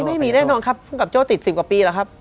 ไม่มีแน่นอนครับภูมิกับโจ้ติด๑๐กว่าปีแล้วครับ